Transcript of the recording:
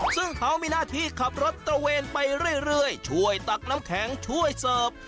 ซึ่งเขามีหน้าที่ขับรถตระเวนไปเรื่อยช่วยตักน้ำแข็งช่วยเสิร์ฟ